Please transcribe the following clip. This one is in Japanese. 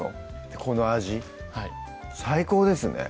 この味はい最高ですね